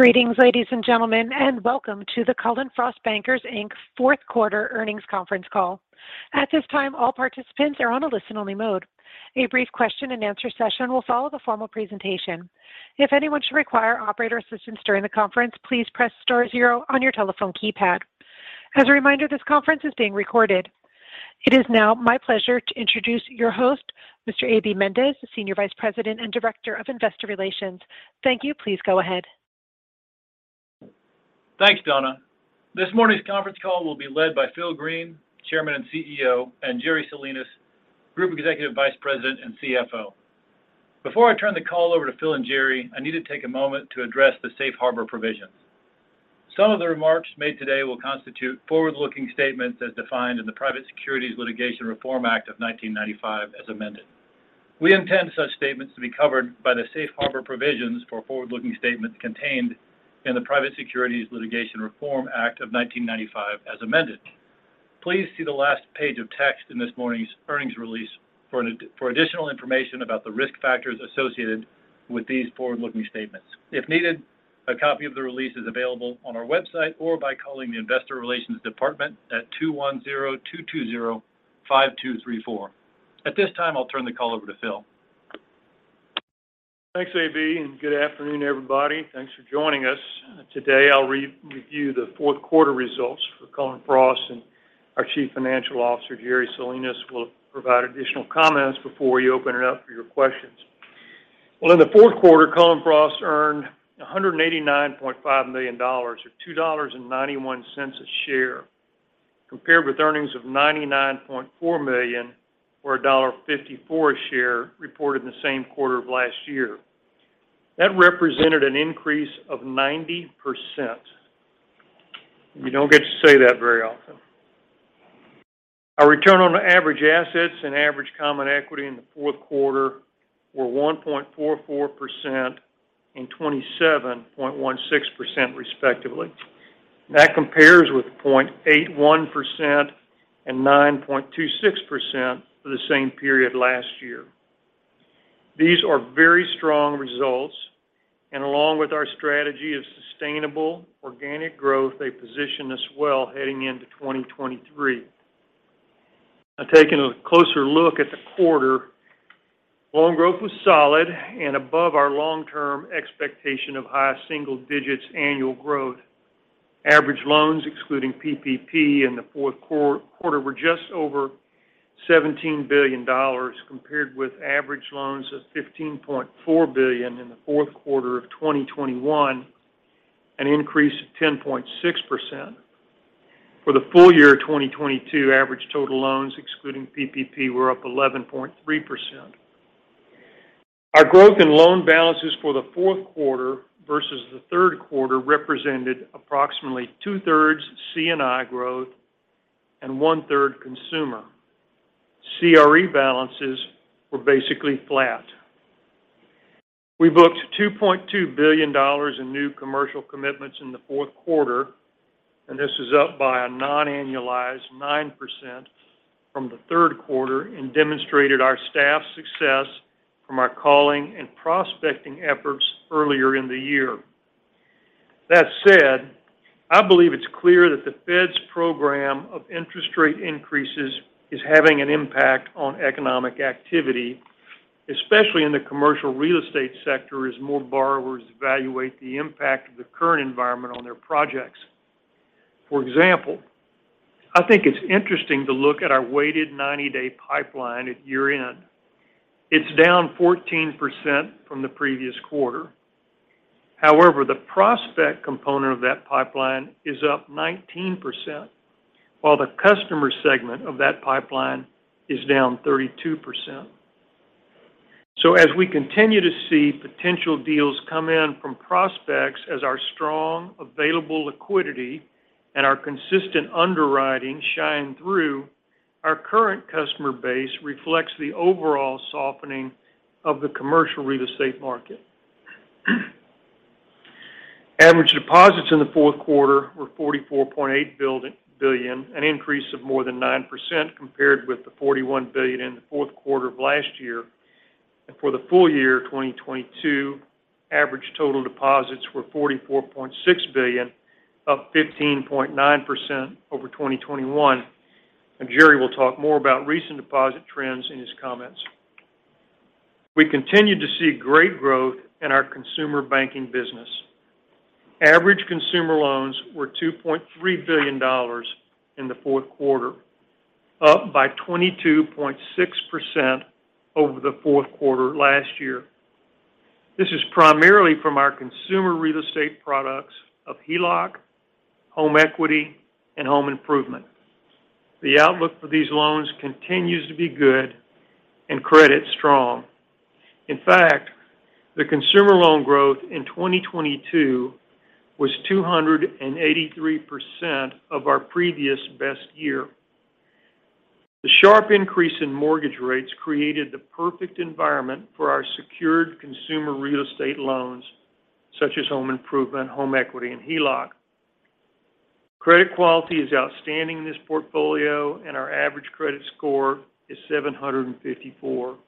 Greetings, ladies and gentlemen, and welcome to the Cullen/Frost Bankers, Inc.'s Fourth Quarter Earnings Conference Call. At this time, all participants are on a listen-only mode. A brief question-and-answer session will follow the formal presentation. If anyone should require operator assistance during the conference, please press star zero on your telephone keypad. As a reminder, this conference is being recorded. It is now my pleasure to introduce your host, Mr. A.B. Mendez, Senior Vice President and Director of Investor Relations. Thank you. Please go ahead. Thanks, Donna. This morning's conference call will be led by Phil Green, Chairman and CEO, and Jerry Salinas, Group Executive Vice President and CFO. Before I turn the call over to Phil and Jerry, I need to take a moment to address the safe harbor provisions. Some of the remarks made today will constitute forward-looking statements as defined in the Private Securities Litigation Reform Act of 1995 as amended. We intend such statements to be covered by the safe harbor provisions for forward-looking statements contained in the Private Securities Litigation Reform Act of 1995 as amended. Please see the last page of text in this morning's earnings release for additional information about the risk factors associated with these forward-looking statements. If needed, a copy of the release is available on our website or by calling the Investor Relations Department at 210-220-5234. At this time, I'll turn the call over to Phil. Thanks, A.B., and good afternoon, everybody. Thanks for joining us. Today, I'll review the fourth quarter results for Cullen/Frost, and our Chief Financial Officer, Jerry Salinas, will provide additional comments before we open it up for your questions. In the fourth quarter, Cullen/Frost earned $189.5 million or $2.91 a share, compared with earnings of $99.4 million or $1.54 a share reported in the same quarter of last year. That represented an increase of 90%. We don't get to say that very often. Our return on average assets and average common equity in the fourth quarter were 1.44% and 27.16%, respectively. That compares with 0.81% and 9.26% for the same period last year. These are very strong results, along with our strategy of sustainable organic growth, they position us well heading into 2023. Taking a closer look at the quarter, loan growth was solid and above our long-term expectation of high single digits annual growth. Average loans, excluding PPP in the fourth quarter, were just over $17 billion, compared with average loans of $15.4 billion in the fourth quarter of 2021, an increase of 10.6%. For the full year of 2022, average total loans, excluding PPP, were up 11.3%. Our growth in loan balances for the fourth quarter versus the third quarter represented approximately two-thirds C&I growth and one-third consumer. CRE balances were basically flat. We booked $2.2 billion in new commercial commitments in the fourth quarter. This is up by a non-annualized 9% from the third quarter and demonstrated our staff's success from our calling and prospecting efforts earlier in the year. That said, I believe it's clear that the Fed's program of interest rate increases is having an impact on economic activity, especially in the commercial real estate sector, as more borrowers evaluate the impact of the current environment on their projects. For example, I think it's interesting to look at our weighted 90-day pipeline at year-end. It's down 14% from the previous quarter. However, the prospect component of that pipeline is up 19%, while the customer segment of that pipeline is down 32%. As we continue to see potential deals come in from prospects as our strong available liquidity and our consistent underwriting shine through, our current customer base reflects the overall softening of the commercial real estate market. Average deposits in the fourth quarter were $44.8 billion, an increase of more than 9% compared with the $41 billion in the fourth quarter of last year. For the full year of 2022, average total deposits were $44.6 billion, up 15.9% over 2021. Jerry will talk more about recent deposit trends in his comments. We continued to see great growth in our consumer banking business. Average consumer loans were $2.3 billion in the fourth quarter, up by 22.6% over the fourth quarter last year. This is primarily from our consumer real estate products of HELOC, home equity, and home improvement. The outlook for these loans continues to be good and credit strong. In fact, the consumer loan growth in 2022 was 283% of our previous best year. The sharp increase in mortgage rates created the perfect environment for our secured consumer real estate loans, such as home improvement, home equity, and HELOC. Credit quality is outstanding in this portfolio, and our average credit score is 754.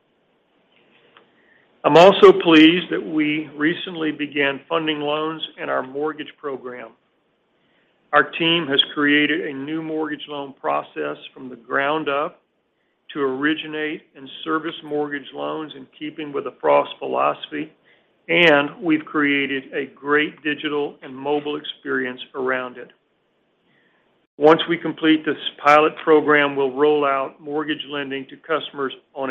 I'm also pleased that we recently began funding loans in our mortgage program. Our team has created a new mortgage loan process from the ground up to originate and service mortgage loans in keeping with the Frost philosophy, and we've created a great digital and mobile experience around it. Once we complete this pilot program, we'll roll out mortgage lending to customers on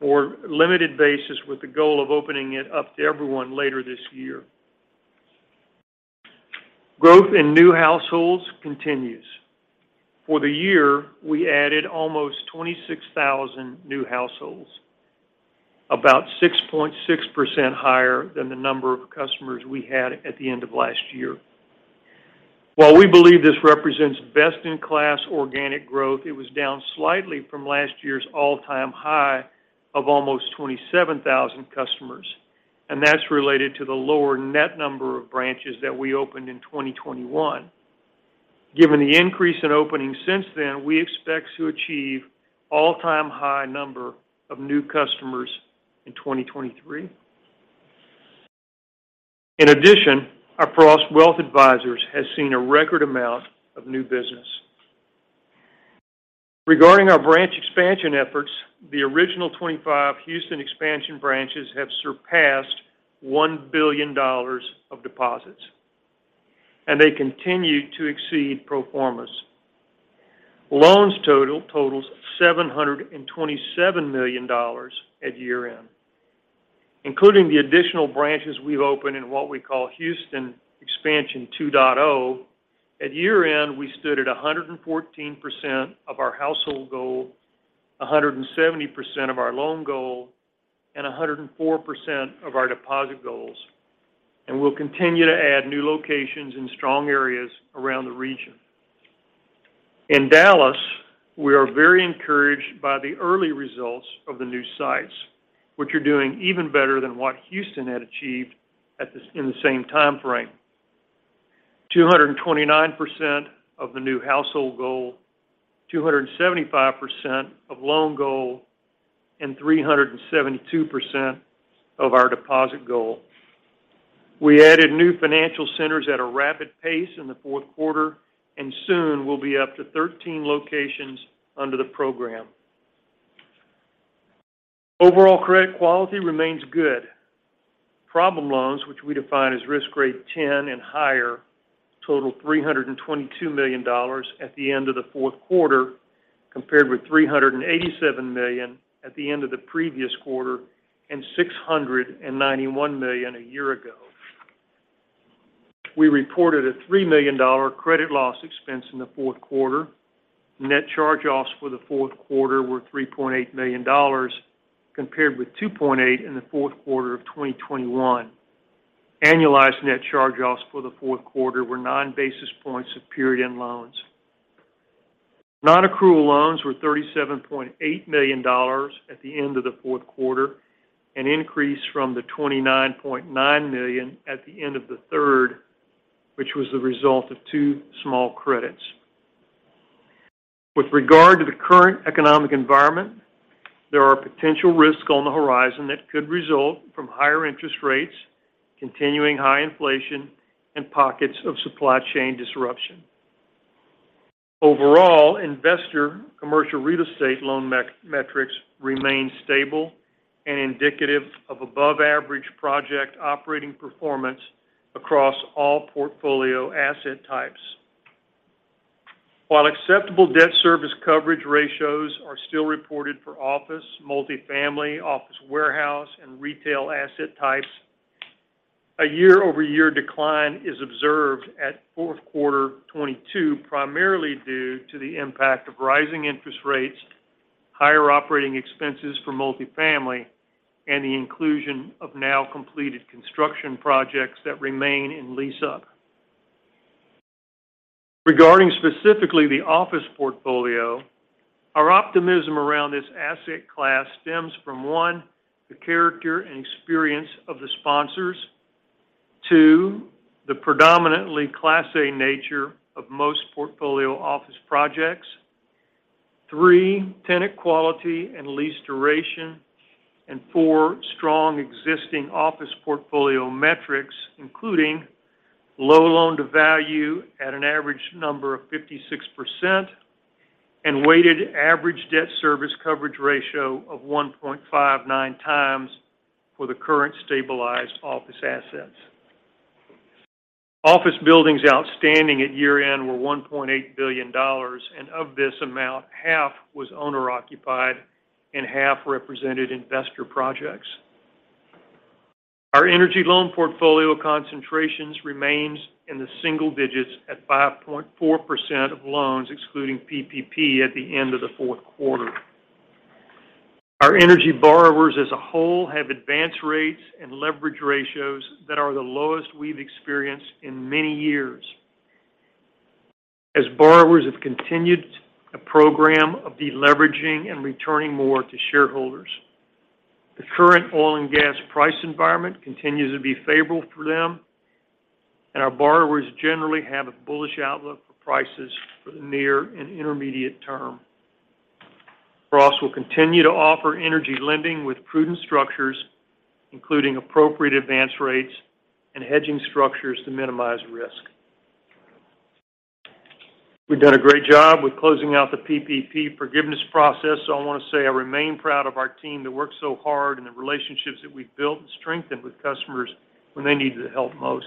a more limited basis with the goal of opening it up to everyone later this year. Growth in new households continues. For the year, we added almost 26,000 new households, about 6.6% higher than the number of customers we had at the end of last year. While we believe this represents best-in-class organic growth, it was down slightly from last year's all-time high of almost 27,000 customers. That's related to the lower net number of branches that we opened in 2021. Given the increase in openings since then, we expect to achieve all-time high number of new customers in 2023. In addition, our Frost Wealth Advisors has seen a record amount of new business. Regarding our branch expansion efforts, the original 25 Houston expansion branches have surpassed $1 billion of deposits. They continue to exceed pro formas. Loans total $727 million at year-end, including the additional branches we've opened in what we call Houston Expansion 2.0. At year-end, we stood at 114% of our household goal, 170% of our loan goal, and 104% of our deposit goals. We'll continue to add new locations in strong areas around the region. In Dallas, we are very encouraged by the early results of the new sites, which are doing even better than what Houston had achieved at the, in the same time frame. 229% of the new household goal, 275% of loan goal, and 372% of our deposit goal. We added new financial centers at a rapid pace in the fourth quarter, and soon we'll be up to 13 locations under the program. Overall credit quality remains good. Problem loans, which we define as risk grade 10 and higher, total $322 million at the end of the fourth quarter, compared with $387 million at the end of the previous quarter and $691 million a year ago. We reported a $3 million credit loss expense in the fourth quarter. Net charge-offs for the fourth quarter were $3.8 million, compared with $2.8 million in the fourth quarter of 2021. Annualized net charge-offs for the fourth quarter were 9 basis points of period end loans. Non-accrual loans were $37.8 million at the end of the fourth quarter, an increase from the $29.9 million at the end of the third, which was the result of two small credits. With regard to the current economic environment, there are potential risks on the horizon that could result from higher interest rates, continuing high inflation, and pockets of supply chain disruption. Overall, investor commercial real estate loan metrics remain stable and indicative of above-average project operating performance across all portfolio asset types. While acceptable debt service coverage ratios are still reported for office, multifamily, office warehouse, and retail asset types, a year-over-year decline is observed at fourth quarter 2022, primarily due to the impact of rising interest rates, higher operating expenses for multifamily, and the inclusion of now completed construction projects that remain in lease up. Regarding specifically the office portfolio, our optimism around this asset class stems from, one, the character and experience of the sponsors. Two, the predominantly class A nature of most portfolio office projects. Three, tenant quality and lease duration. Four, strong existing office portfolio metrics, including low loan-to-value at an average number of 56% and weighted average debt service coverage ratio of 1.59x for the current stabilized office assets. Office buildings outstanding at year-end were $1.8 billion. Of this amount, half was owner-occupied and half represented investor projects. Our energy loan portfolio concentrations remains in the single digits at 5.4% of loans, excluding PPP, at the end of the fourth quarter. Our energy borrowers as a whole have advanced rates and leverage ratios that are the lowest we've experienced in many years as borrowers have continued a program of deleveraging and returning more to shareholders. The current oil and gas price environment continues to be favorable for them. Our borrowers generally have a bullish outlook for prices for the near and intermediate term. Frost will continue to offer energy lending with prudent structures, including appropriate advance rates and hedging structures to minimize risk. We've done a great job with closing out the PPP forgiveness process, so I want to say I remain proud of our team that worked so hard and the relationships that we've built and strengthened with customers when they needed the help most.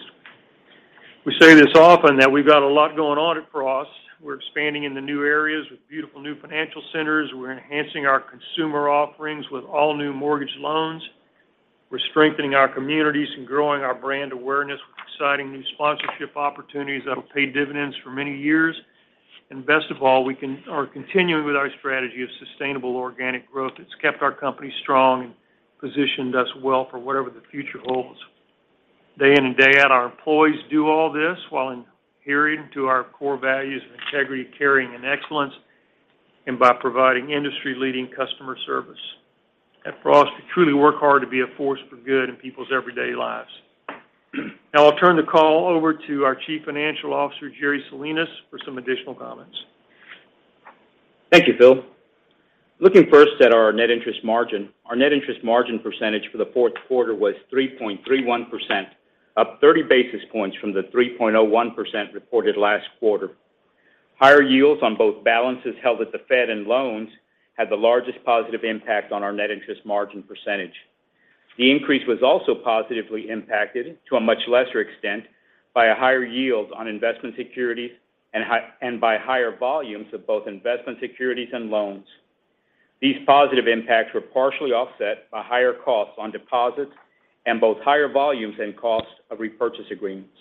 We say this often that we've got a lot going on at Frost. We're expanding in the new areas with beautiful new financial centers. We're enhancing our consumer offerings with all new mortgage loans. We're strengthening our communities and growing our brand awareness with exciting new sponsorship opportunities that'll pay dividends for many years. Best of all, we are continuing with our strategy of sustainable organic growth that's kept our company strong and positioned us well for whatever the future holds. Day in and day out, our employees do all this while adhering to our core values of integrity, caring, and excellence, and by providing industry-leading customer service. At Frost, we truly work hard to be a force for good in people's everyday lives. I'll turn the call over to our Chief Financial Officer, Jerry Salinas, for some additional comments. Thank you, Phil. Looking first at our net interest margin, our net interest margin percentage for the fourth quarter was 3.31%, up 30 basis points from the 3.01% reported last quarter. Higher yields on both balances held at the Fed and loans had the largest positive impact on our net interest margin percentage. The increase was also positively impacted, to a much lesser extent, by a higher yield on investment securities and by higher volumes of both investment securities and loans. These positive impacts were partially offset by higher costs on deposits and both higher volumes and costs of repurchase agreements.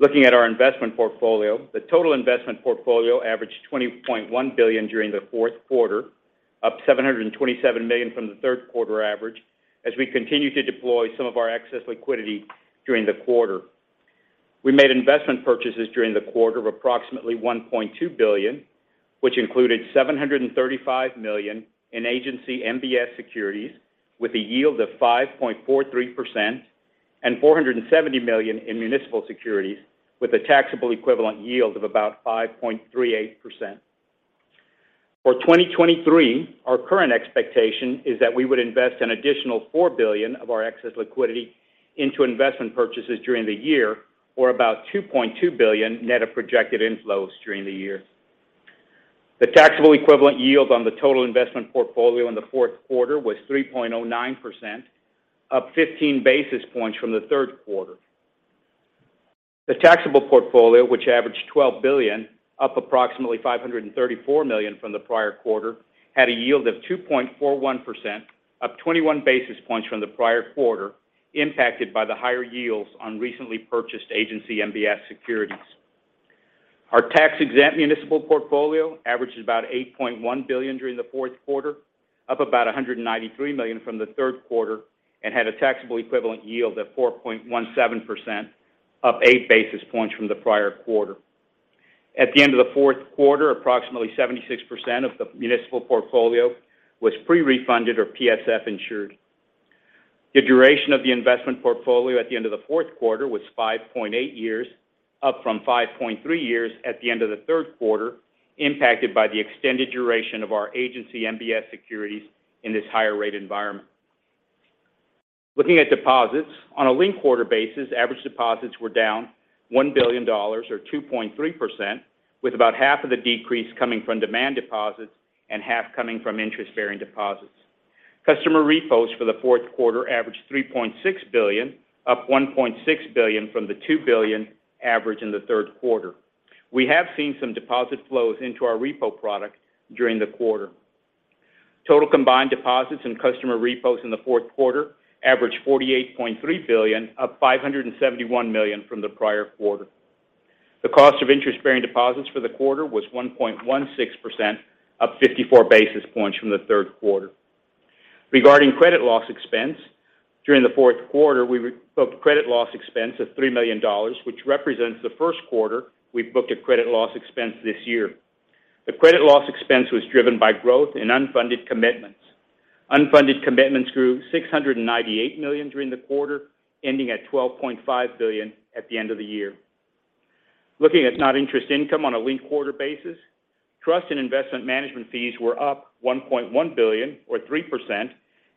Looking at our investment portfolio, the total investment portfolio averaged $20.1 billion during the fourth quarter, up $727 million from the third quarter average, as we continued to deploy some of our excess liquidity during the quarter. We made investment purchases during the quarter of approximately $1.2 billion, which included $735 million in agency MBS securities with a yield of 5.43% and $470 million in municipal securities with a taxable equivalent yield of about 5.38%. For 2023, our current expectation is that we would invest an additional $4 billion of our excess liquidity into investment purchases during the year or about $2.2 billion net of projected inflows during the year. The taxable equivalent yield on the total investment portfolio in the fourth quarter was 3.09%, up 15 basis points from the third quarter. The taxable portfolio, which averaged $12 billion, up approximately $534 million from the prior quarter, had a yield of 2.41%, up 21 basis points from the prior quarter, impacted by the higher yields on recently purchased agency MBS securities. Our tax-exempt municipal portfolio averaged about $8.1 billion during the fourth quarter, up about $193 million from the third quarter, and had a taxable equivalent yield of 4.17%, up 8 basis points from the prior quarter. At the end of the fourth quarter, approximately 76% of the municipal portfolio was pre-refunded or PSF insured. The duration of the investment portfolio at the end of the fourth quarter was 5.8 years, up from 5.3 years at the end of the third quarter, impacted by the extended duration of our agency MBS securities in this higher rate environment. Looking at deposits, on a linked quarter basis, average deposits were down $1 billion or 2.3%, with about half of the decrease coming from demand deposits and half coming from interest-bearing deposits. Customer repos for the fourth quarter averaged $3.6 billion, up $1.6 billion from the $2 billion average in the third quarter. We have seen some deposit flows into our repo product during the quarter. Total combined deposits and customer repos in the fourth quarter averaged $48.3 billion, up $571 million from the prior quarter. The cost of interest-bearing deposits for the quarter was 1.16%, up 54 basis points from the third quarter. Regarding credit loss expense, during the fourth quarter, we booked credit loss expense of $3 million, which represents the first quarter we've booked a credit loss expense this year. The credit loss expense was driven by growth in unfunded commitments. Unfunded commitments grew $698 million during the quarter, ending at $12.5 billion at the end of the year. Looking at non-interest income on a linked quarter basis, trust and investment management fees were up $1.1 billion or 3%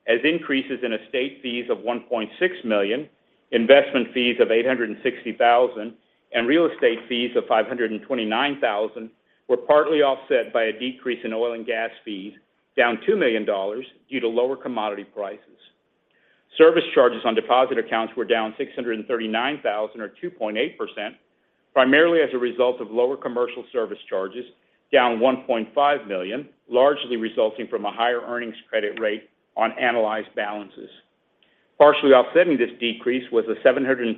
as increases in estate fees of $1.6 million, investment fees of $860,000, and real estate fees of $529,000 were partly offset by a decrease in oil and gas fees, down $2 million due to lower commodity prices. Service charges on deposit accounts were down $639,000 or 2.8%, primarily as a result of lower commercial service charges, down $1.5 million, largely resulting from a higher earnings credit rate on analyzed balances. Partially offsetting this decrease was a $756,000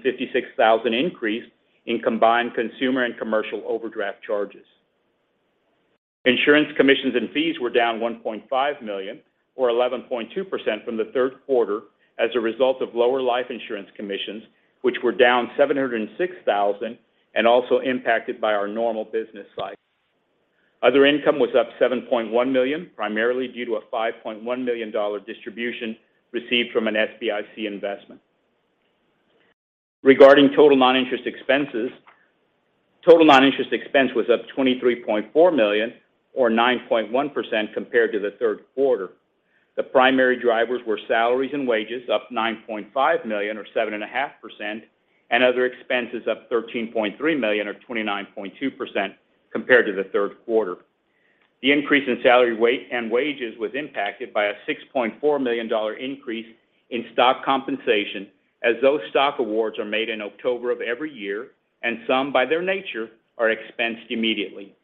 increase in combined consumer and commercial overdraft charges. Insurance commissions and fees were down $1.5 million or 11.2% from the third quarter as a result of lower life insurance commissions, which were down $706,000 and also impacted by our normal business cycle. Other income was up $7.1 million, primarily due to a $5.1 million distribution received from an SBIC investment. Regarding total non-interest expenses, total non-interest expense was up $23.4 million or 9.1% compared to the third quarter. The primary drivers were salaries and wages up $9.5 million or 7.5%, and other expenses up $13.3 million or 29.2% compared to the third quarter. The increase in salary and wages was impacted by a $6.4 million increase in stock compensation as those stock awards are made in October of every year, and some, by their nature, are expensed immediately.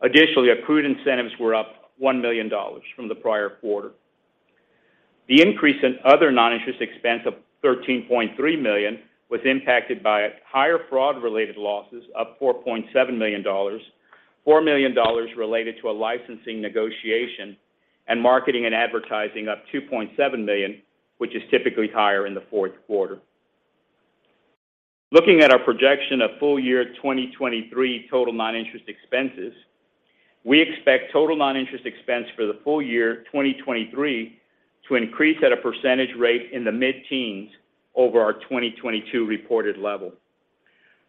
Accrued incentives were up $1 million from the prior quarter. The increase in other non-interest expense of $13.3 million was impacted by higher fraud-related losses up $4.7 million, $4 million related to a licensing negotiation, and marketing and advertising up $2.7 million, which is typically higher in the fourth quarter. Looking at our projection of full year 2023 total non-interest expenses, we expect total non-interest expense for the full year 2023 to increase at a percentage rate in the mid-teens over our 2022 reported level.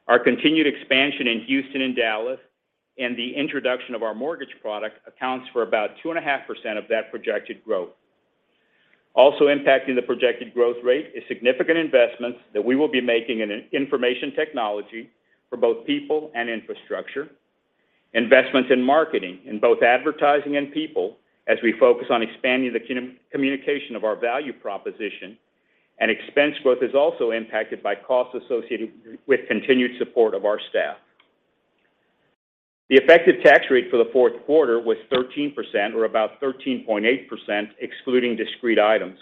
Our continued expansion in Houston and Dallas and the introduction of our mortgage product accounts for about 2.5% of that projected growth. Also impacting the projected growth rate is significant investments that we will be making in information technology for both people and infrastructure, investments in marketing in both advertising and people as we focus on expanding the communication of our value proposition, expense growth is also impacted by costs associated with continued support of our staff. The effective tax rate for the fourth quarter was 13% or about 13.8% excluding discrete items.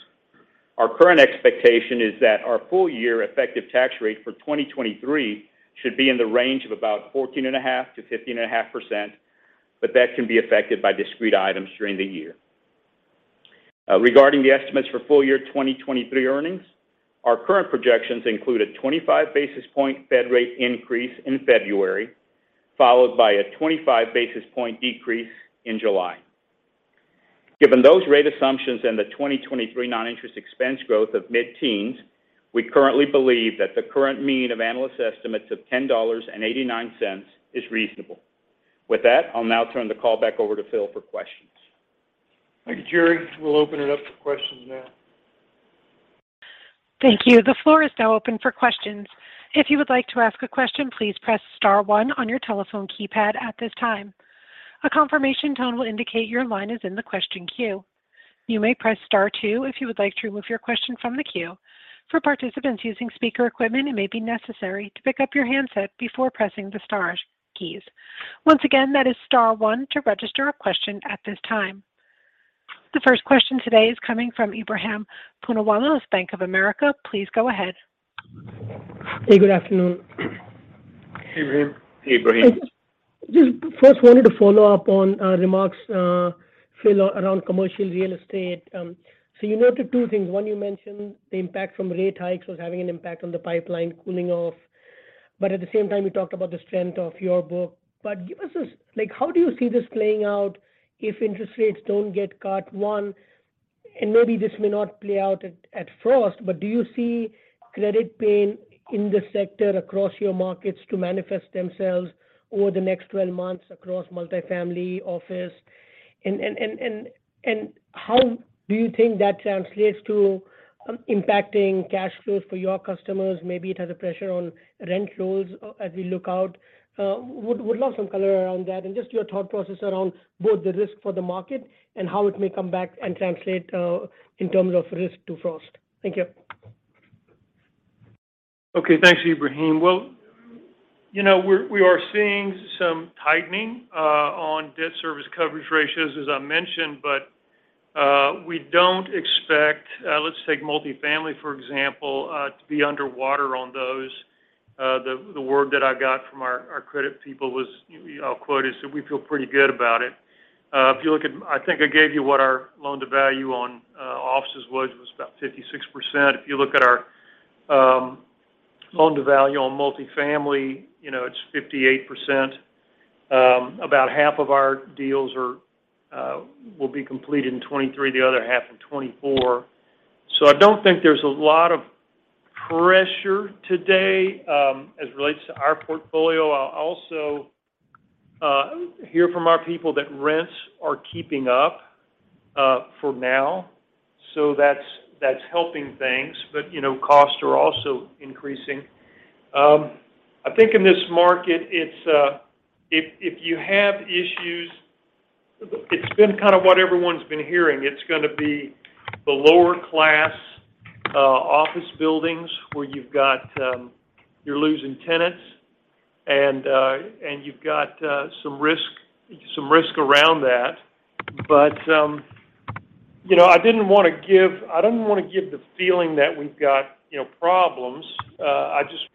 Our current expectation is that our full year effective tax rate for 2023 should be in the range of about 14.5%-15.5%, that can be affected by discrete items during the year. Regarding the estimates for full year 2023 earnings, our current projections include a 25 basis point Fed rate increase in February, followed by a 25 basis point decrease in July. Given those rate assumptions and the 2023 non-interest expense growth of mid-teens, we currently believe that the current mean of analyst estimates of $10.89 is reasonable. With that, I'll now turn the call back over to Phil for questions. Thank you, Jerry. We'll open it up for questions now. Thank you. The floor is now open for questions. If you would like to ask a question, please press star one on your telephone keypad at this time. A confirmation tone will indicate your line is in the question queue. You may press star two if you would like to remove your question from the queue. For participants using speaker equipment, it may be necessary to pick up your handset before pressing the stars keys. Once again, that is star one to register a question at this time. The first question today is coming from Ebrahim Poonawala of Bank of America. Please go ahead. Hey, good afternoon. Hey Ebrahim. Hey Ebrahim. Just first wanted to follow up on remarks, Phil, around commercial real estate. You noted two things. One, you mentioned the impact from rate hikes was having an impact on the pipeline cooling off. At the same time, you talked about the strength of your book. Give us like, how do you see this playing out if interest rates don't get cut, one? Maybe this may not play out at first, but do you see credit pain in this sector across your markets to manifest themselves over the next 12 months across multifamily office? How do you think that translates to impacting cash flows for your customers? Maybe it has a pressure on rent rolls as we look out. Would love some color around that and just your thought process around both the risk for the market and how it may come back and translate in terms of risk to Frost. Thank you. Okay. Thanks, Ebrahim. Well, you know, we're, we are seeing some tightening on debt service coverage ratios, as I mentioned, but we don't expect, let's take multifamily, for example, to be underwater on those. The word that I got from our credit people was, I'll quote, is that we feel pretty good about it. If you look at I think I gave you what our loan-to-value on offices was about 56%. If you look at our loan-to-value on multifamily, you know, it's 58%. About half of our deals are will be completed in 2023, the other half in 2024. I don't think there's a lot of pressure today, as it relates to our portfolio. I also hear from our people that rents are keeping up for now. That's helping things. You know, costs are also increasing. I think in this market, it's if you have issues, it's been kind of what everyone's been hearing. It's gonna be the lower class office buildings where you've got, you're losing tenants and you've got some risk around that. You know, I don't wanna give the feeling that we've got, you know, problems. I just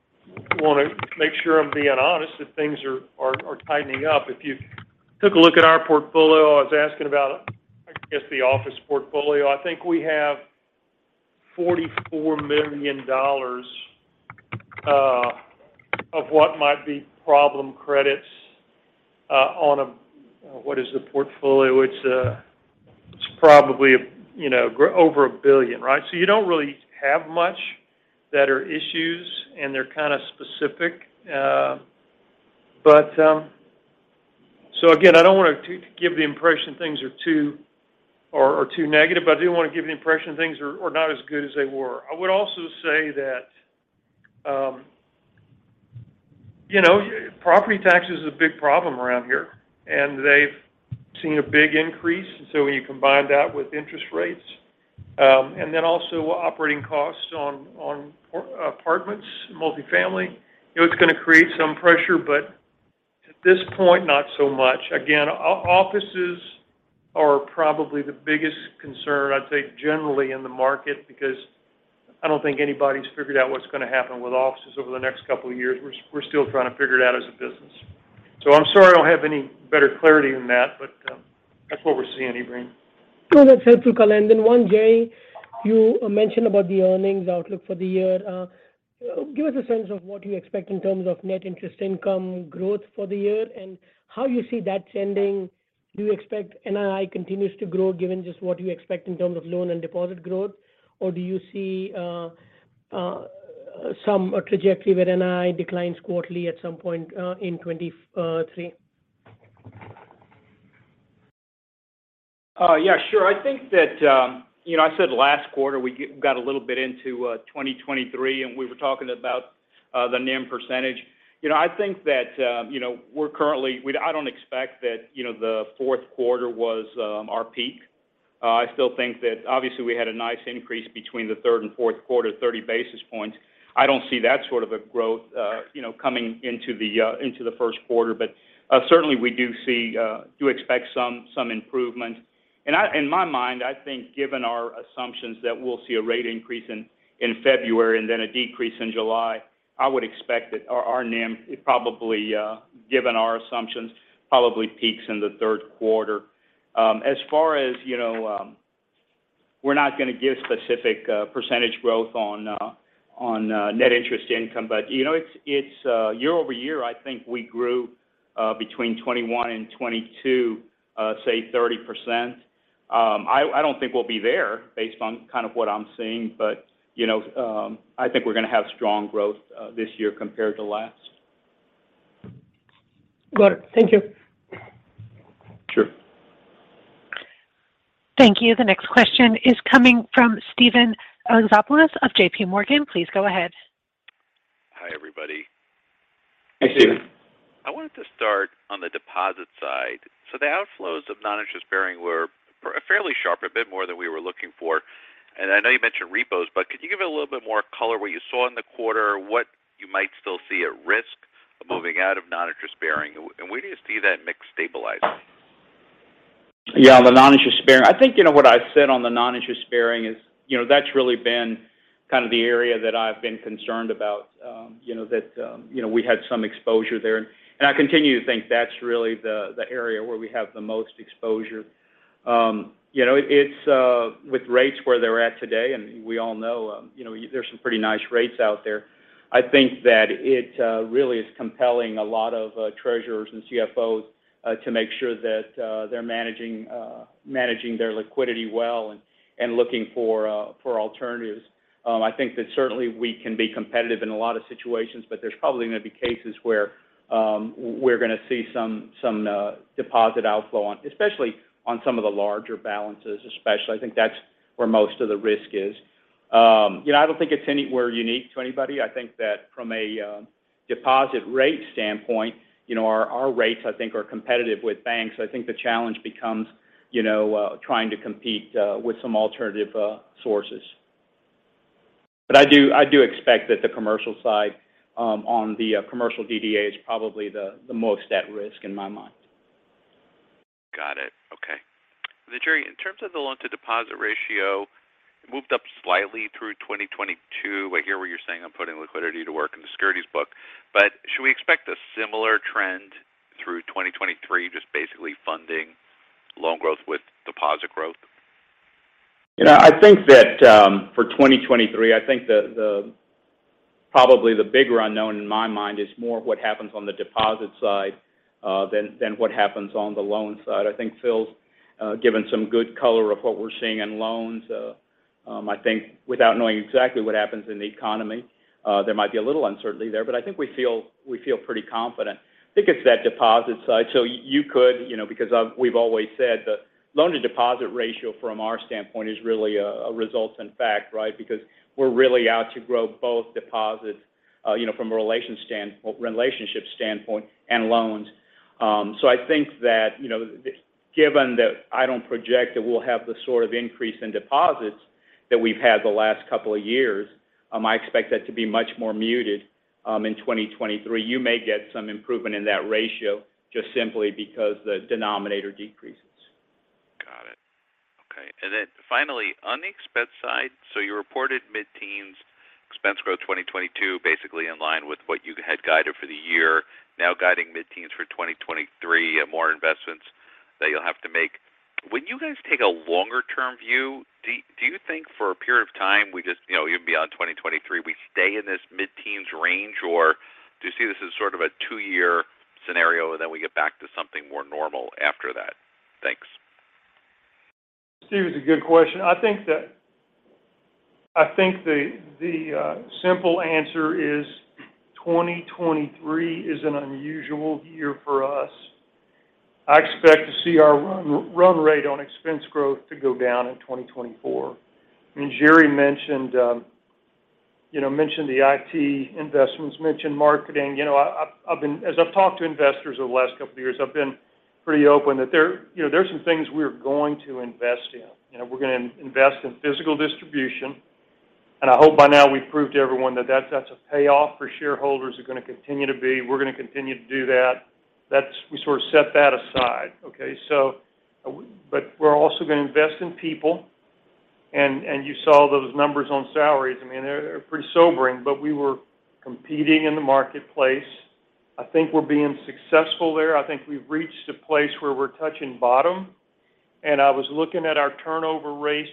wanna make sure I'm being honest that things are tightening up. If you took a look at our portfolio, I was asking about, I guess, the office portfolio. I think we have $44 million Of what might be problem credits, on a, what is the portfolio? It's, it's probably, you know, over $1 billion, right? You don't really have much that are issues, and they're kind of specific. Again, I don't want to give the impression things are too, are too negative, but I do want to give the impression things are not as good as they were. I would also say that, you know, property tax is a big problem around here, and they've seen a big increase. When you combine that with interest rates, and then also operating costs on apartments, multifamily, you know, it's gonna create some pressure, but at this point, not so much. Offices are probably the biggest concern, I'd say, generally in the market because I don't think anybody's figured out what's gonna happen with offices over the next couple of years. We're still trying to figure it out as a business. I'm sorry I don't have any better clarity than that, but that's what we're seeing, Ebrahim. No, that's helpful color. One, Jer, you mentioned about the earnings outlook for the year. Give us a sense of what you expect in terms of net interest income growth for the year and how you see that trending. Do you expect NII continues to grow given just what you expect in terms of loan and deposit growth? Or do you see some trajectory where NII declines quarterly at some point in 2023? Yeah, sure. I think that, you know, I said last quarter we got a little bit into 2023, we were talking about the NIM percentage. You know, I think that, you know, I don't expect that, you know, the fourth quarter was our peak. I still think that obviously we had a nice increase between the third and fourth quarter, 30 basis points. I don't see that sort of a growth, you know, coming into the first quarter. Certainly we do see, do expect some improvement. In my mind, I think given our assumptions that we'll see a rate increase in February and then a decrease in July, I would expect that our NIM probably, given our assumptions, probably peaks in the third quarter. As far as, you know, we're not gonna give specific percentage growth on net interest income, but, you know, it's year-over-year, I think we grew between 21 and 22, say 30%. I don't think we'll be there based on kind of what I'm seeing, but, you know, I think we're gonna have strong growth this year compared to last. Got it. Thank you. Sure. Thank you. The next question is coming from Steven Alexopoulos of JPMorgan. Please go ahead. Hi, everybody. Hey, Steven. I wanted to start on the deposit side. The outflows of non-interest bearing were fairly sharp, a bit more than we were looking for. I know you mentioned repos, but could you give a little bit more color what you saw in the quarter, what you might still see at risk of moving out of non-interest bearing? And where do you see that mix stabilizing? Yeah, the non-interest bearing. I think, you know, what I said on the non-interest bearing is, you know, that's really been kind of the area that I've been concerned about, you know, that, you know, we had some exposure there. I continue to think that's really the area where we have the most exposure. You know, it's with rates where they're at today, and we all know, you know, there's some pretty nice rates out there. I think that it really is compelling a lot of treasurers and CFOs to make sure that they're managing their liquidity well and looking for alternatives. I think that certainly we can be competitive in a lot of situations, but there's probably going to be cases where we're gonna see some deposit outflow especially on some of the larger balances especially. I think that's where most of the risk is. You know, I don't think it's anywhere unique to anybody. I think that from a deposit rate standpoint, you know, our rates, I think, are competitive with banks. I think the challenge becomes, you know, trying to compete with some alternative sources. I do expect that the commercial side on the commercial DDA is probably the most at risk in my mind. Got it. Okay. Jerry, in terms of the loan to deposit ratio, it moved up slightly through 2022. I hear what you're saying on putting liquidity to work in the securities book. Should we expect a similar trend through 2023, just basically funding loan growth with deposit growth? You know, I think that, for 2023, I think the probably the bigger unknown in my mind is more what happens on the deposit side, than what happens on the loan side. I think Phil's given some good color of what we're seeing in loans. I think without knowing exactly what happens in the economy, there might be a little uncertainty there. But I think we feel pretty confident. I think it's that deposit side. You could, you know, because we've always said the loan to deposit ratio from our standpoint is really a results in fact, right? We're really out to grow both deposits, you know, from a relationship standpoint and loans. I think that, you know, given that I don't project that we'll have the sort of increase in deposits that we've had the last couple of years, I expect that to be much more muted, in 2023. You may get some improvement in that ratio just simply because the denominator decreases. Got it. Okay. Finally, on the expense side, you reported mid-teens expense growth 2022, basically in line with what you had guided for the year. Guiding mid-teens for 2023, more investments that you'll have to make. When you guys take a longer-term view, do you think for a period of time we just, you know, even beyond 2023, we stay in this mid-teens range, or do you see this as sort of a two-year scenario, then we get back to something more normal after that? Thanks. Steven, it's a good question. I think the simple answer is 2023 is an unusual year for us. I expect to see our run rate on expense growth to go down in 2024. I mean, Jerry mentioned, you know, mentioned the IT investments, mentioned marketing. You know, as I've talked to investors over the last couple of years, I've been pretty open that there, you know, there are some things we're going to invest in. You know, we're gonna invest in physical distribution. I hope by now we've proved to everyone that that's a payoff for shareholders. They're gonna continue to be. We're gonna continue to do that. We sort of set that aside. Okay. We're also gonna invest in people and you saw those numbers on salaries. I mean, they're pretty sobering. We were competing in the marketplace. I think we're being successful there. I think we've reached a place where we're touching bottom. I was looking at our turnover rates.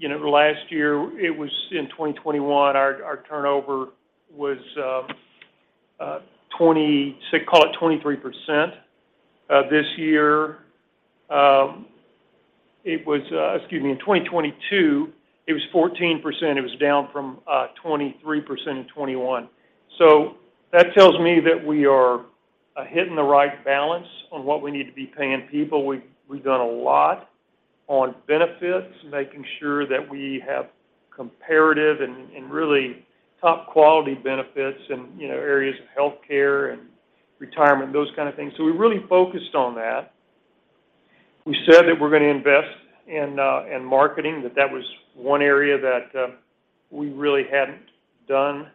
You know, last year, it was in 2021, our turnover was 23%. This year, excuse me, in 2022, it was 14%. It was down from 23% in 2021. That tells me that we are hitting the right balance on what we need to be paying people. We've done a lot on benefits, making sure that we have comparative and really top-quality benefits in, you know, areas of healthcare and retirement, those kind of things. We really focused on that. We said that we're going to invest in marketing, that was one area that we really hadn't done.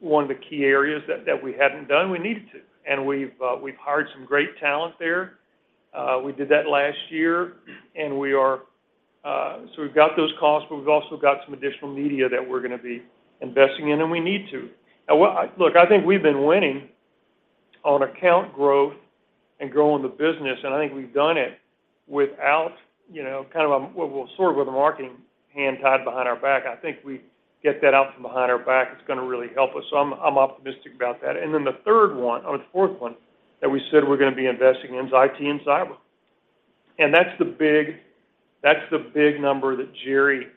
One of the key areas that we hadn't done, we needed to. We've hired some great talent there. We did that last year, and we are. We've got those costs, but we've also got some additional media that we're going to be investing in, and we need to. Look, I think we've been winning on account growth and growing the business, and I think we've done it without, you know, kind of a, well, sort of with a marketing hand tied behind our back. I think we get that out from behind our back. It's going to really help us. I'm optimistic about that. The fourth one that we said we're going to be investing in is IT and cyber. That's the big number that Jerry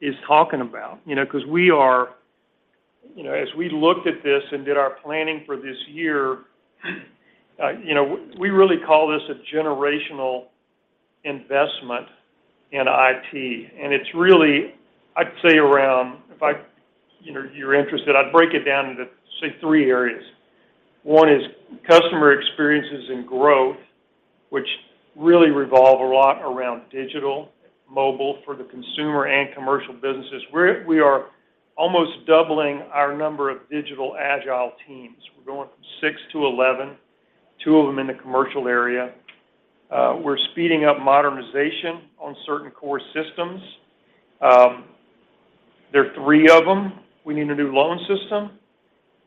is talking about. You know, because as we looked at this and did our planning for this year, we really call this a generational investment in IT. It's really, I'd say around, if I, you know, you're interested, I'd break it down into say three areas. One is customer experiences and growth, which really revolve a lot around digital, mobile for the consumer and commercial businesses, where we are almost doubling our number of digital agile teams. We're going from six to 11, two of them in the commercial area. We're speeding up modernization on certain core systems. There are three of them. We need a new loan system.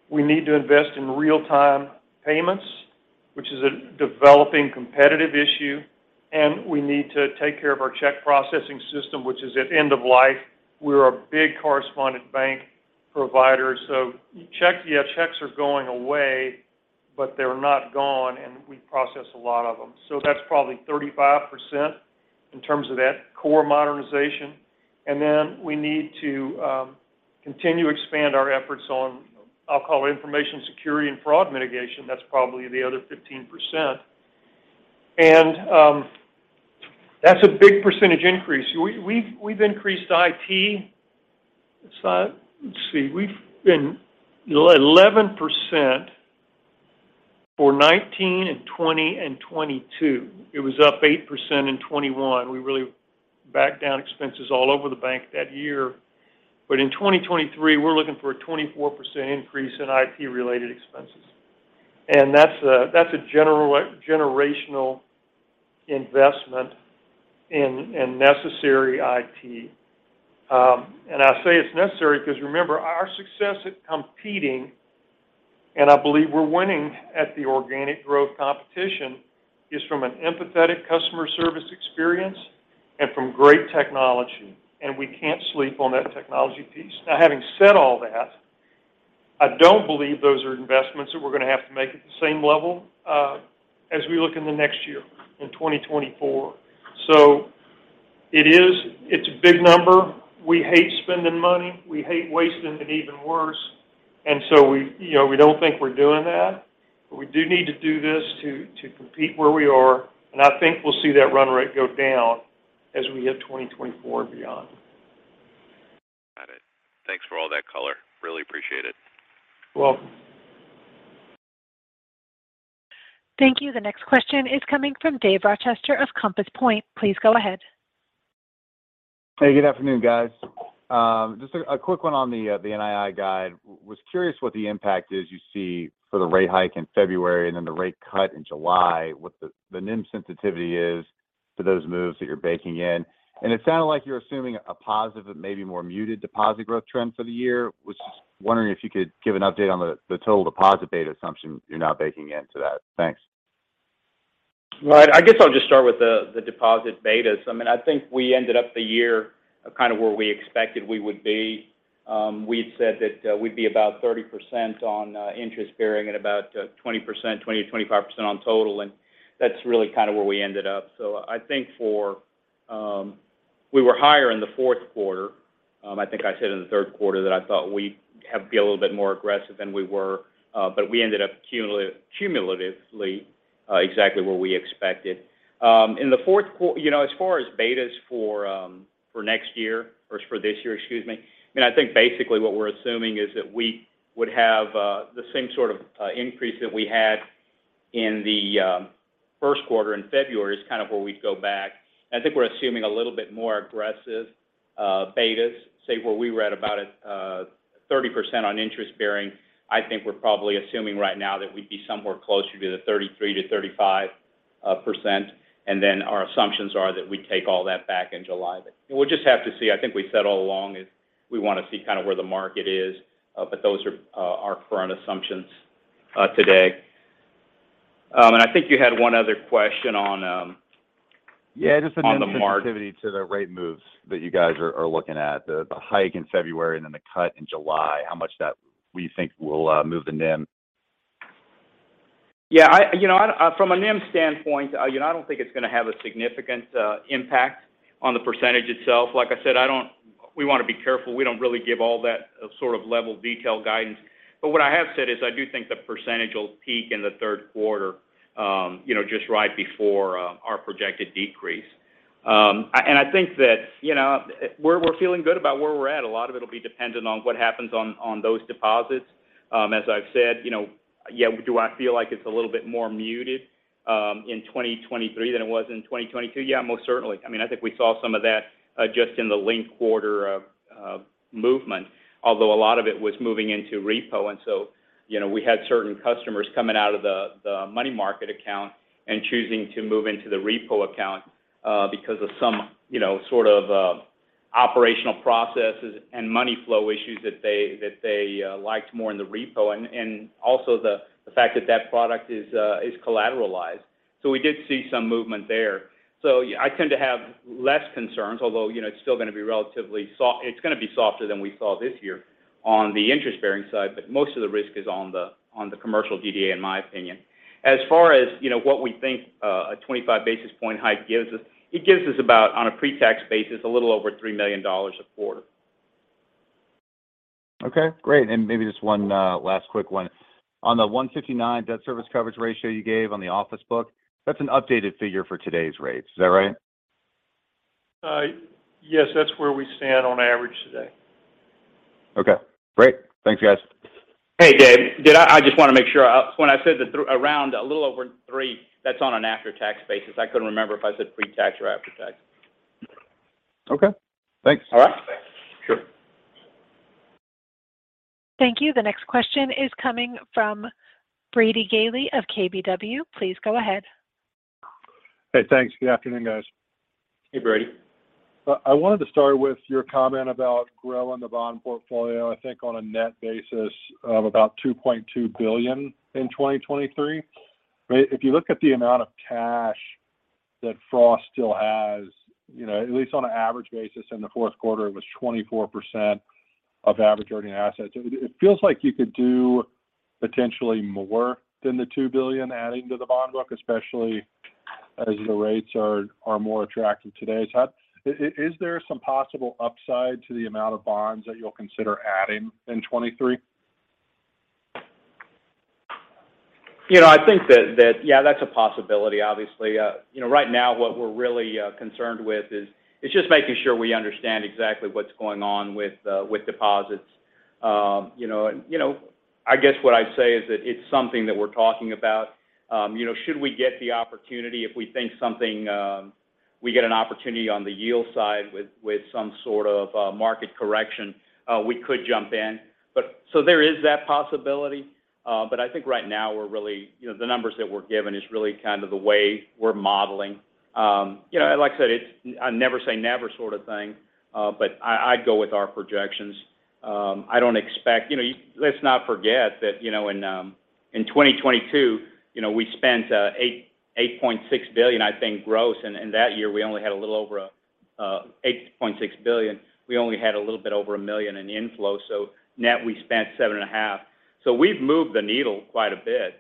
We need to invest in real-time payments, which is a developing competitive issue. We need to take care of our check processing system, which is at end of life. We're a big correspondent bank provider. Checks, yeah, checks are going away, but they're not gone, and we process a lot of them. That's probably 35% in terms of that core modernization. We need to continue to expand our efforts on, I'll call it information security and fraud mitigation. That's probably the other 15%. That's a big percentage increase. We've increased IT. It's, let's see. We've been 11% for 2019 and 2020 and 2022. It was up 8% in 2021. We really backed down expenses all over the bank that year. In 2023, we're looking for a 24% increase in IT-related expenses. That's a, that's a generational investment in necessary IT. And I say it's necessary because remember, our success at competing, and I believe we're winning at the organic growth competition, is from an empathetic customer service experience and from great technology, and we can't sleep on that technology piece. Now, having said all that, I don't believe those are investments that we're going to have to make at the same level, as we look in the next year, in 2024. It is, it's a big number. We hate spending money. We hate wasting it even worse. We, you know, we don't think we're doing that. We do need to do this to compete where we are. I think we'll see that run rate go down as we hit 2024 and beyond. Got it. Thanks for all that color. Really appreciate it. You're welcome. Thank you. The next question is coming from Dave Rochester of Compass Point. Please go ahead. Hey, good afternoon, guys. Just a quick one on the NII guide. Was curious what the impact is you see for the rate hike in February and then the rate cut in July, what the NIM sensitivity is for those moves that you're baking in. It sounded like you're assuming a positive but maybe more muted deposit growth trend for the year. Was just wondering if you could give an update on the total deposit beta assumption you're now baking into that. Thanks. I guess I'll just start with the deposit betas. I mean, I think we ended up the year kind of where we expected we would be. We'd said that we'd be about 30% on interest-bearing and about 20%, 20%-25% on total. That's really kind of where we ended up. We were higher in the fourth quarter. I think I said in the third quarter that I thought we'd have to be a little bit more aggressive than we were, but we ended up cumulatively exactly where we expected. In the fourth, you know, as far as betas for next year, or for this year, excuse me, I mean, I think basically what we're assuming is that we would have the same sort of increase that we had in the first quarter in February is kind of where we'd go back. I think we're assuming a little bit more aggressive betas, say where we were at about 30% on interest-bearing. I think we're probably assuming right now that we'd be somewhere closer to the 33-35%, our assumptions are that we take all that back in July. We'll just have to see. I think we said all along is we want to see kind of where the market is, those are our current assumptions today. I think you had one other question on. Yeah, just on the sensitivity- On the mar- -to the rate moves that you guys are looking at. The hike in February and then the cut in July, how much that we think will move the NIM. Yeah, I, you know, I, from a NIM standpoint, you know, I don't think it's gonna have a significant impact on the percentage itself. Like I said, we want to be careful. We don't really give all that sort of level detail guidance. What I have said is I do think the percentage will peak in the third quarter, you know, just right before our projected decrease. I think that, you know, we're feeling good about where we're at. A lot of it will be dependent on what happens on those deposits. As I've said, you know, yeah, do I feel like it's a little bit more muted in 2023 than it was in 2022? Yeah, most certainly. I mean, I think we saw some of that just in the linked quarter of movement. Although a lot of it was moving into repo. You know, we had certain customers coming out of the money market account and choosing to move into the repo account because of some, you know, sort of operational processes and money flow issues that they liked more in the repo and also the fact that that product is collateralized. We did see some movement there. I tend to have less concerns, although, you know, it's still gonna be relatively soft, it's gonna be softer than we saw this year on the interest-bearing side, but most of the risk is on the commercial DDA, in my opinion. As far as, you know, what we think, a 25 basis point hike gives us, it gives us about, on a pre-tax basis, a little over $3 million a quarter. Okay, great. Maybe just one, last quick one. On the 159 debt service coverage ratio you gave on the office book, that's an updated figure for today's rates. Is that right? Yes, that's where we stand on average today. Okay, great. Thanks, guys. Hey, Dave. I just want to make sure. When I said that around a little over three, that's on an after-tax basis. I couldn't remember if I said pre-tax or after-tax. Okay. Thanks. All right. Thanks. Sure. Thank you. The next question is coming from Brady Gailey of KBW. Please go ahead. Hey, thanks. Good afternoon, guys. Hey, Brady. I wanted to start with your comment about growing the bond portfolio, I think on a net basis of about $2.2 billion in 2023. If you look at the amount of cash that Frost still has, you know, at least on an average basis in the fourth quarter, it was 24% of average earning assets. It feels like you could do potentially more than the $2 billion adding to the bond book, especially as the rates are more attractive today. Is there some possible upside to the amount of bonds that you'll consider adding in 2023? You know, I think that, yeah, that's a possibility, obviously. You know, right now what we're really concerned with is just making sure we understand exactly what's going on with deposits. You know, and, you know, I guess what I'd say is that it's something that we're talking about. You know, should we get the opportunity, if we think something, we get an opportunity on the yield side with some sort of market correction, we could jump in. So there is that possibility. I think right now we're really, you know, the numbers that we're given is really kind of the way we're modeling. You know, like I said, it's a never say never sort of thing. I'd go with our projections. I don't expect... You know, let's not forget that, you know, in 2022, you know, we spent $8.6 billion, I think, gross. In that year, we only had a little over $8.6 billion. We only had a little bit over $1 million in inflow. Net, we spent seven and a half. We've moved the needle quite a bit,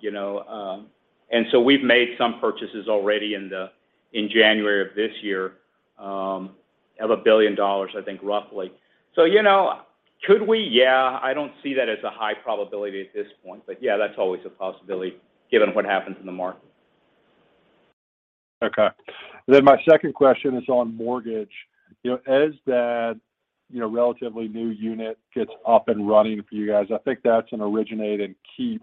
you know, we've made some purchases already in January of this year of $1 billion, I think, roughly. You know, could we? Yeah. I don't see that as a high probability at this point, but yeah, that's always a possibility given what happens in the market. My second question is on mortgage. You know, as that, you know, relatively new unit gets up and running for you guys, I think that's an originate and keep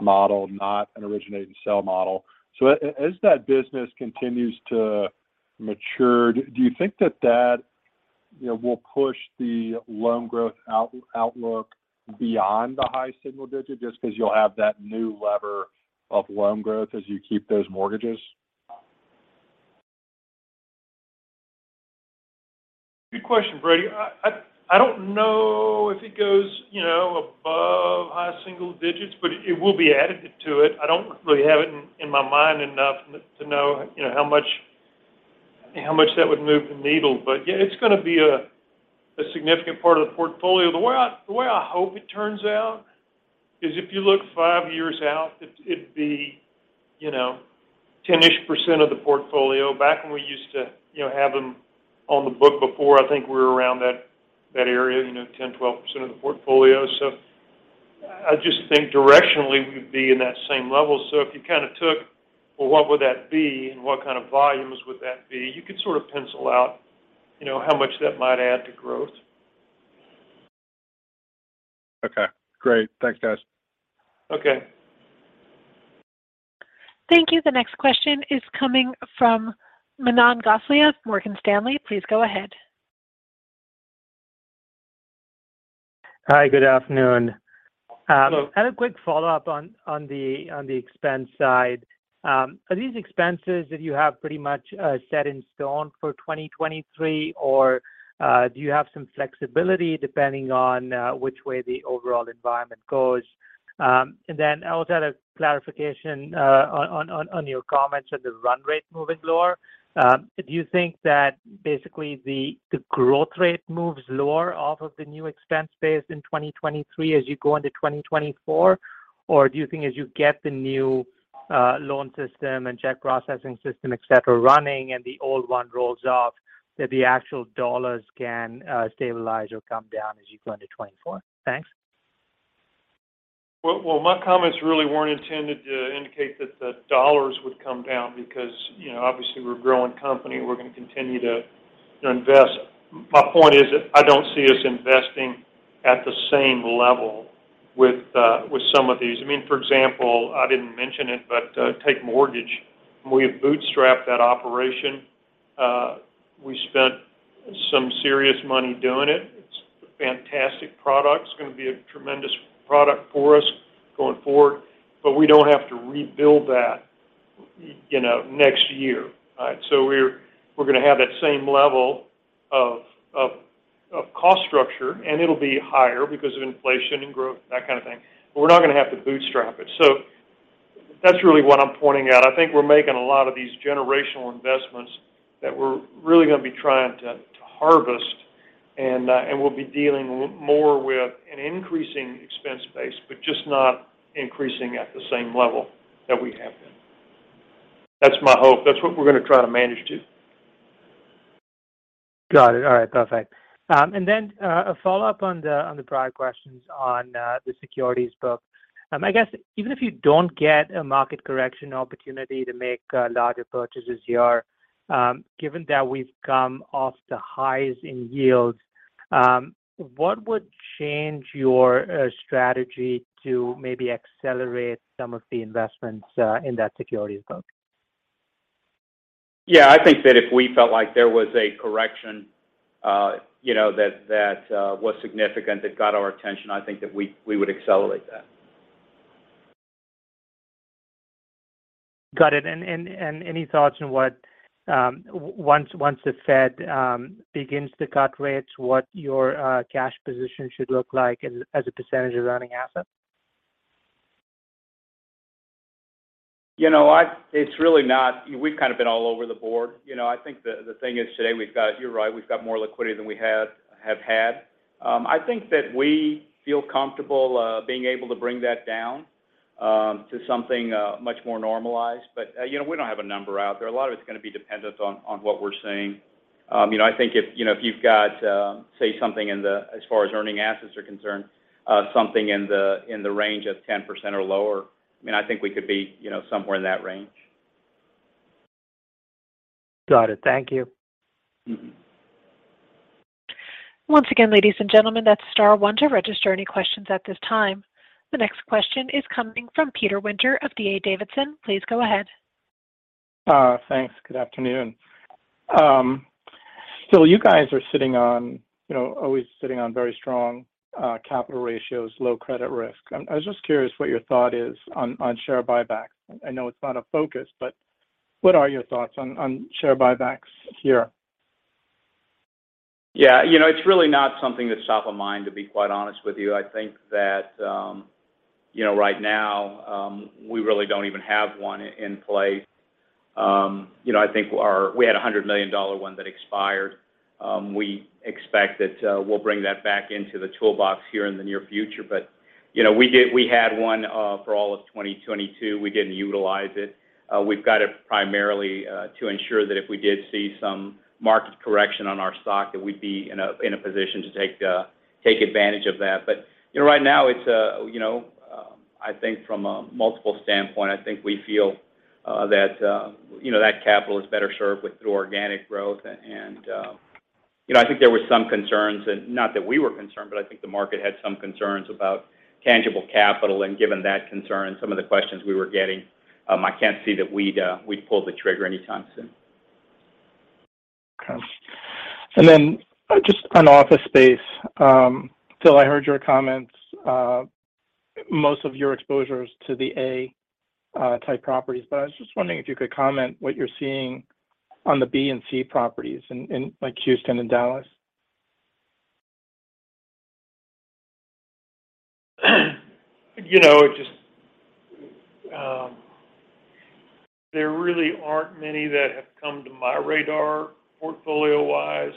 model, not an originate and sell model. As that business continues to mature, do you think that? You know, will push the loan growth outlook beyond the high single digit just because you'll have that new lever of loan growth as you keep those mortgages? Good question, Brady. I don't know if it goes, you know, above high single digits, but it will be added to it. I don't really have it in my mind enough to know, you know, how much that would move the needle. Yeah, it's going to be a significant part of the portfolio. The way I hope it turns out is if you look five years out, it'd be, you know, 10-ish% of the portfolio. Back when we used to, you know, have them on the book before, I think we were around that area, you know, 10%, 12% of the portfolio. I just think directionally we'd be in that same level. If you kind of took, well, what would that be, and what kind of volumes would that be, you could sort of pencil out, you know, how much that might add to growth. Okay, great. Thanks, guys. Okay. Thank you. The next question is coming from Manan Gosalia from Morgan Stanley. Please go ahead. Hi. Good afternoon. Hello. Kind of a quick follow-up on the expense side. Are these expenses that you have pretty much set in stone for 2023, or do you have some flexibility depending on which way the overall environment goes? I also had a clarification on your comments on the run rate moving lower. Do you think that basically the growth rate moves lower off of the new expense base in 2023 as you go into 2024? Do you think as you get the new loan system and check processing system, et cetera, running and the old one rolls off, that the actual dollars can stabilize or come down as you go into 2024? Thanks. My comments really weren't intended to indicate that the dollars would come down because, you know, obviously we're a growing company. We're going to continue to invest. My point is that I don't see us investing at the same level with some of these. I mean, for example, I didn't mention it, take mortgage. We have bootstrapped that operation. We spent some serious money doing it. It's a fantastic product. It's going to be a tremendous product for us going forward. We don't have to rebuild that, you know, next year. All right. We're going to have that same level of cost structure, and it'll be higher because of inflation and growth, that kind of thing. We're not going to have to bootstrap it. That's really what I'm pointing out. I think we're making a lot of these generational investments that we're really going to be trying to harvest and we'll be dealing more with an increasing expense base, but just not increasing at the same level that we have been. That's my hope. That's what we're going to try to manage to. Got it. All right, perfect. A follow-up on the prior questions on, the securities book. I guess even if you don't get a market correction opportunity to make larger purchases year, given that we've come off the highs in yields, what would change your strategy to maybe accelerate some of the investments in that securities book? Yeah. I think that if we felt like there was a correction, you know, that was significant, that got our attention, I think that we would accelerate that. Got it. Any thoughts on what once the Fed begins to cut rates, what your cash position should look like as a percentage of earning assets? You know, we've kind of been all over the board. You know, I think the thing is today, you're right, we've got more liquidity than we have had. I think that we feel comfortable being able to bring that down to something much more normalized. You know, we don't have a number out there. A lot of it's going to be dependent on what we're seeing. You know, I think if, you know, if you've got, say, as far as earning assets are concerned, something in the range of 10% or lower, I mean, I think we could be, you know, somewhere in that range. Got it. Thank you. Mm-hmm. Once again, ladies and gentlemen, that's star one to register any questions at this time. The next question is coming from Peter Winter of D.A. Davidson. Please go ahead. Thanks. Good afternoon. You guys are sitting on, you know, always sitting on very strong capital ratios, low credit risk. I was just curious what your thought is on share buybacks. I know it's not a focus, but what are your thoughts on share buybacks here? Yeah. You know, it's really not something that's top of mind, to be quite honest with you. I think that, you know, right now, we really don't even have one in play. You know, I think we had a $100 million one that expired. We expect that we'll bring that back into the toolbox here in the near future. You know, we had one for all of 2022. We didn't utilize it. We've got it primarily to ensure that if we did see some market correction on our stock, that we'd be in a position to take advantage of that. You know, right now it's, you know, I think from a multiple standpoint, I think we feel that, you know, that capital is better served with through organic growth. You know, I think there were some concerns and not that we were concerned, but I think the market had some concerns about tangible capital. Given that concern, some of the questions we were getting. I can't see that we'd pull the trigger anytime soon. Then just on office space, Phil, I heard your comments, most of your exposures to the A, type properties, but I was just wondering if you could comment what you're seeing on the B and C properties in, like, Houston and Dallas. You know, just, there really aren't many that have come to my radar portfolio-wise,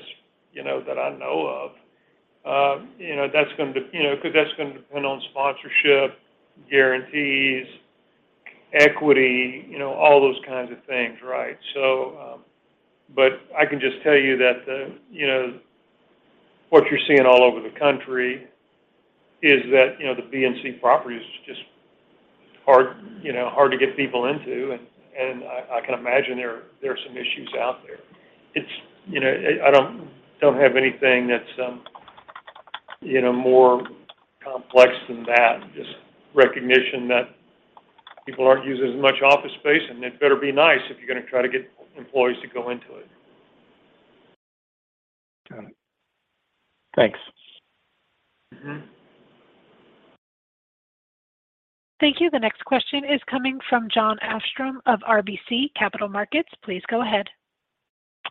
you know, that I know of. You know, 'cause that's gonna depend on sponsorship, guarantees, equity, you know, all those kinds of things, right? But I can just tell you that the, you know, what you're seeing all over the country is that, you know, the B and C properties are just hard to get people into. I can imagine there are some issues out there. It's, you know. I don't have anything that's, you know, more complex than that. Just recognition that people aren't using as much office space, and it better be nice if you're gonna try to get employees to go into it. Got it. Thanks. Mm-hmm. Thank you. The next question is coming from Jon Arfstrom of RBC Capital Markets. Please go ahead.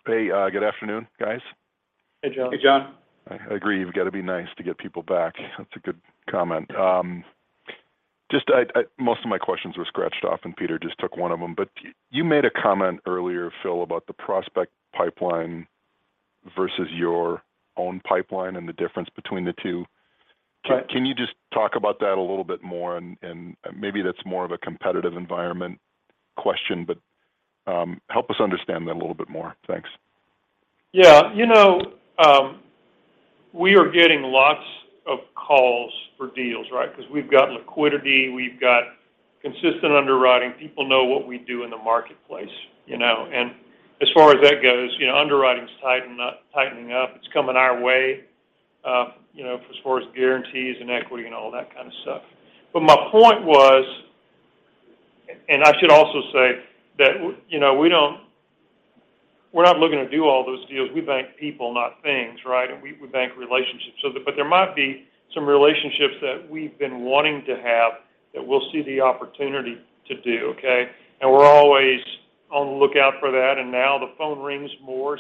Hey, good afternoon, guys. Hey, Jon. Hey, Jon. I agree. You've gotta be nice to get people back. That's a good comment. Most of my questions were scratched off, and Peter just took one of them. You made a comment earlier, Phil, about the prospect pipeline versus your own pipeline and the difference between the two. Right. Can you just talk about that a little bit more and maybe that's more of a competitive environment question, but help us understand that a little bit more. Thanks. Yeah. You know, we are getting lots of calls for deals, right? 'Cause we've got liquidity. We've got consistent underwriting. People know what we do in the marketplace, you know. As far as that goes, you know, underwriting's tightening up. It's coming our way, you know, as far as guarantees and equity and all that kind of stuff. My point was, and I should also say that you know, we're not looking to do all those deals. We bank people, not things, right? We bank relationships. There might be some relationships that we've been wanting to have that we'll see the opportunity to do. Okay? We're always on the lookout for that, and now the phone rings more.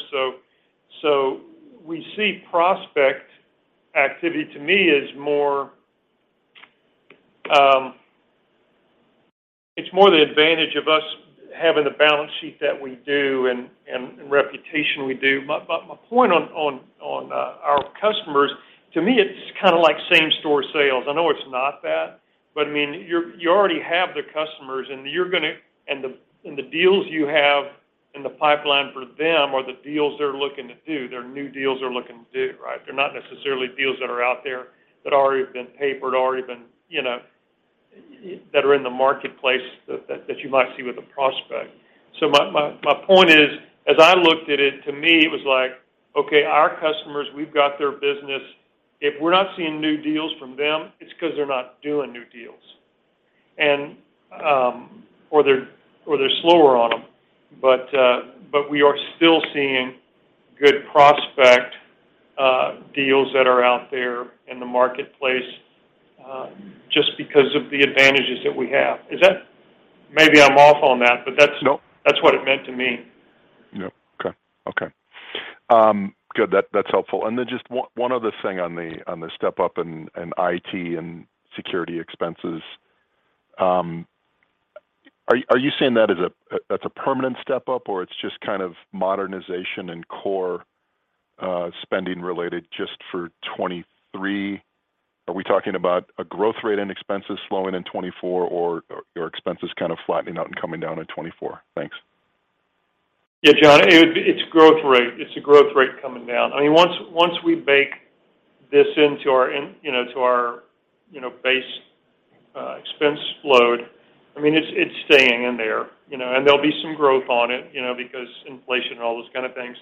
We see prospect activity to me as more, it's more the advantage of us having the balance sheet that we do and reputation we do. My point on our customers, to me, it's kinda like same store sales. I know it's not that, but I mean, you already have the customers, and you're gonna. The deals you have in the pipeline for them are the deals they're looking to do. They're new deals they're looking to do, right? They're not necessarily deals that are out there that already have been papered, already been, you know, that are in the marketplace that you might see with a prospect. My point is, as I looked at it, to me, it was like, okay, our customers, we've got their business. If we're not seeing new deals from them, it's 'cause they're not doing new deals. Or they're slower on them. We are still seeing good prospect, deals that are out there in the marketplace, just because of the advantages that we have. Is that? Maybe I'm off on that, but that's. Nope. That's what it meant to me. Nope. Okay. Okay. Good. That's helpful. Just one other thing on the step up and IT and security expenses. Are you saying that as a permanent step up, or it's just kind of modernization and core spending related just for 2023? Are we talking about a growth rate in expenses slowing in 2024 or expenses kind of flattening out and coming down in 2024? Thanks. Yeah, Jon, it's growth rate. It's the growth rate coming down. I mean, once we bake this into our, you know, to our, you know, base expense load, I mean, it's staying in there, you know. There'll be some growth on it, you know, because inflation and all those kind of things.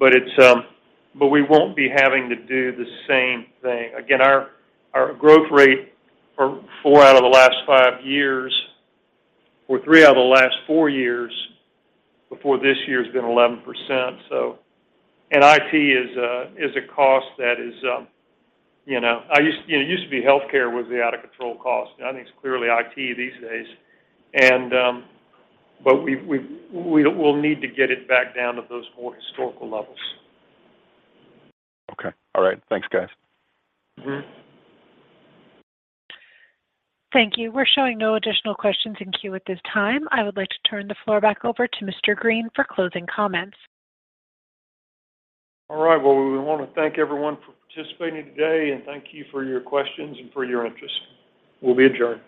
It's, but we won't be having to do the same thing. Again, our growth rate for four out of the last five years or three out of the last four years before this year has been 11%, so. IT is a cost that is, you know. You know, it used to be healthcare was the out of control cost. Now, I think it's clearly IT these days. We'll need to get it back down to those more historical levels. Okay. All right. Thanks, guys. Mm-hmm. Thank you. We're showing no additional questions in queue at this time. I would like to turn the floor back over to Mr. Green for closing comments. All right. Well, we wanna thank everyone for participating today, and thank you for your questions and for your interest. We'll be adjourned.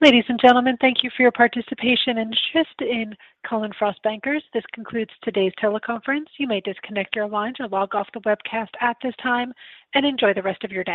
Ladies and gentlemen, thank you for your participation in today's conference call for Cullen/Frost Bankers. This concludes today's teleconference. You may disconnect your lines or log off the webcast at this time. Enjoy the rest of your day.